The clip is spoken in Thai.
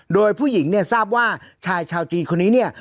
โดยผู้หญิงเนี่ยทราบว่าชายชาวจีนคนนี้เนี่ย